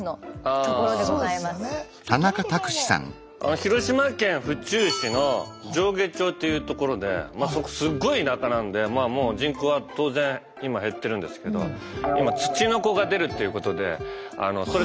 広島県府中市の上下町という所でまあそこすっごい田舎なんでまあもう人口は当然今減ってるんですけど今ツチノコが出るということでそれで盛り上げてます。